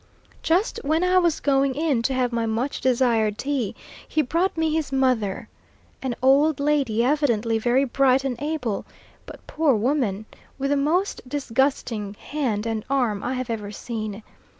Just when I was going in to have my much desired tea, he brought me his mother an old lady, evidently very bright and able, but, poor woman, with the most disgusting hand and arm I have ever seen.